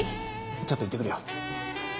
ちょっと行ってくるよ。